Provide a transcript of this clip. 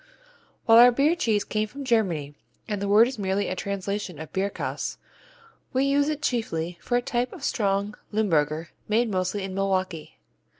_ While our beer cheese came from Germany and the word is merely a translation of Bierkäse, we use it chiefly for a type of strong Limburger made mostly in Milwaukee.